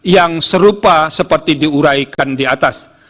yang serupa seperti diuraikan di atas